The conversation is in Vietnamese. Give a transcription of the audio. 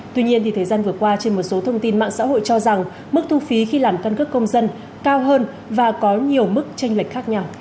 tuy nhiên thời gian vừa qua trên một số thông tin mạng xã hội cho rằng mức thu phí khi làm căn cước công dân cao hơn và có nhiều mức tranh lệch khác nhau